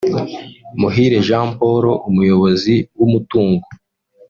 Muhire Jean Paul (Umuyobozi w’umutungo)